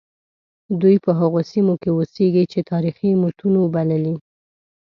دوی په هغو سیمو کې اوسیږي چې تاریخي متونو بللي.